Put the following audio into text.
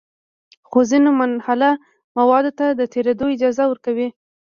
خو ځینې منحله موادو ته د تېرېدو اجازه ورکوي.